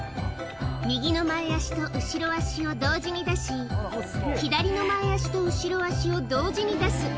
右の前脚と後ろ脚を同時に出し、左の前脚と後ろ脚を同時に出す。